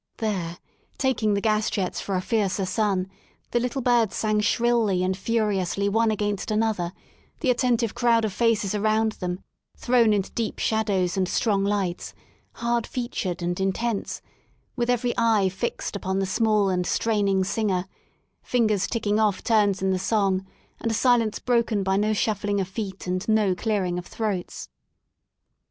There, taking the gas jets for a fiercer sun, the little birds sang shrilly and furiously one against anotheri the attentive crowd of faces a round them, thrown into deep shadows and strong lights, hard featured and intense, with every eye fixed upon the small and strain ing singer, fingers ticking off turns in the song and a silence broken by no shuffling of feet and no clearing of throats.